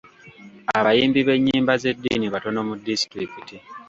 Abayimbi b'ennyimba z'eddiini batono mu disitulikiti.